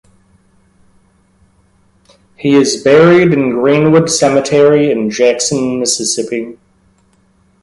He is buried in Greenwood Cemetery in Jackson, Mississippi.